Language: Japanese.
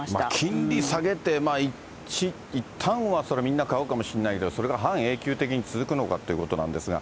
金利下げて、いったんはそりゃ、みんな買うかもしれないけど、それが半永久的に続くのかってことなんですが。